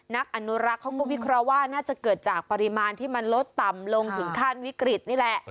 นักอนุรักษ์เขาก็วิเคราะห์ว่าน่าจะเกิดจากปริมาณที่มันลดต่ำลงถึงขั้นวิกฤตนี่แหละ